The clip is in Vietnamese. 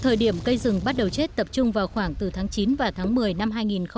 thời điểm cây rừng bắt đầu chết tập trung vào khoảng từ tháng chín và tháng một mươi năm hai nghìn một mươi chín